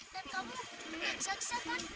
dan kamu tidak bisa bisa kan